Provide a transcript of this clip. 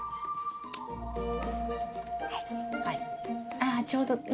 ああちょうど何か。